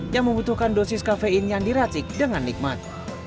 yang membutuhkan dosis kafein yang diracik dengan nikmat